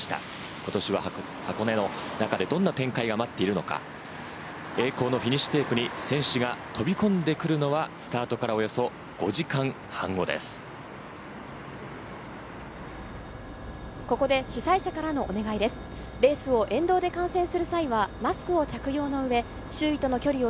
今年は箱根の中でどんな展開が待っているか、こんなフィニッシュテープに選手が飛び込んでくるのがスタートからおよそ５時間半後です。